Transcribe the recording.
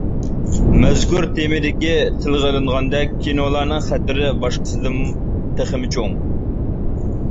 مەزكۇر تېمىدىكى تىلغا ئېلىنغاندەك كىنولارنىڭ خەتىرى باشقىسىدىن تېخىمۇ چوڭ.